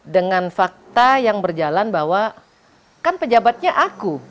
dengan fakta yang berjalan bahwa kan pejabatnya aku